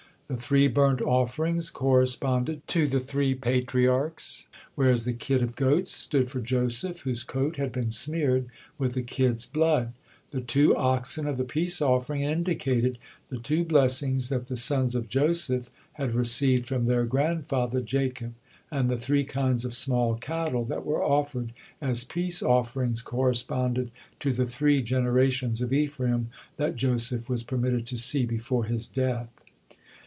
The three burnt offerings corresponded to the three Patriarchs, whereas the kid of goats stood for Joseph, whose coat had been smeared with a kid's blood. The two oxen of the peace offering indicated the two blessings that the sons of Joseph had received from their grandfather, Jacob, and the three kinds of small cattle that were offered as peace offerings corresponded to the three generations of Ephraim that Joseph was permitted to see before his death.